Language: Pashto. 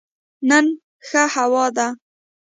نن ښه هوا ده